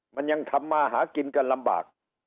มันยังทำมาหากินกันลำบาก